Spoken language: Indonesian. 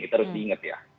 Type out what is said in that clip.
terus diingat ya